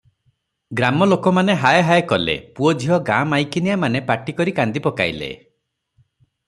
ଗ୍ରାମଲୋକମାନେ ହାୟ ହାୟ କଲେ, ପୁଅ ଝିଅ ମା’ ମାଇକିନିଆମାନେ ପାଟିକରି କାନ୍ଦି ପକାଇଲେ।